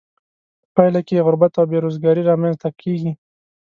په پایله کې یې غربت او بې روزګاري را مینځ ته کیږي.